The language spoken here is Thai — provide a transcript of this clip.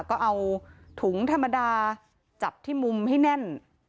ก็เอาถุงธรรมดาจับที่มุมให้แน่น